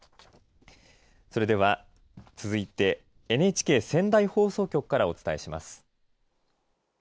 それでは続いてＮＨＫ仙台放送局からお伝えします。